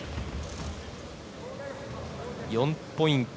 ４ポイント